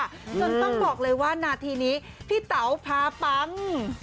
จนต้องบอกเลยว่านาทีนี้พี่เต๋าพาปัง